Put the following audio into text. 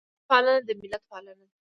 د ژبې پالنه د ملت پالنه ده.